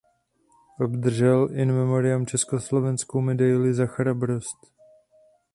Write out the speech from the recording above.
Obdržel in memoriam československou medaili Za chrabrost.